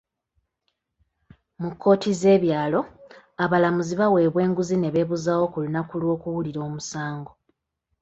Mu kkooti z'ebyalo, abalamuzi baweebwa enguzi ne beebuzaawo ku lunaku lw'okuwulira omusango.